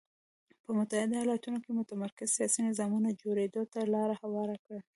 په متحده ایالتونو کې متمرکز سیاسي نظام جوړېدو ته لار هواره کړه.